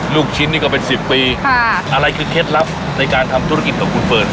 ลูกชิ้นนี่ก็เป็นสิบปีค่ะอะไรคือเคล็ดลับในการทำธุรกิจของคุณเฟิร์น